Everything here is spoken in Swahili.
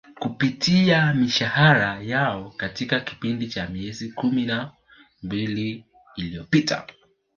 kupitia mishahara yao katika kipindi cha miezi kumi na mbili iliopita